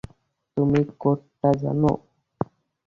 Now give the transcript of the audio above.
তুমি কোডটা জানো?